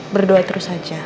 berdoa terus saja